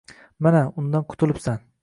Mana, undan qutulibsan